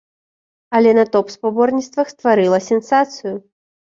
Але на топ-спаборніцтвах стварыла сенсацыю.